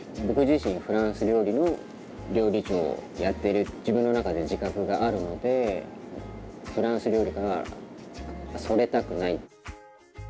僕自身フランス料理の料理長やってる自分の中で自覚があるのでフランス料理からそれたくない。